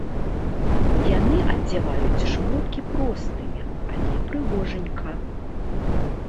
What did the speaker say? Яны адзяваюць шмоткі простыя, але прыгожанька.